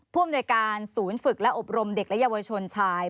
อำนวยการศูนย์ฝึกและอบรมเด็กและเยาวชนชาย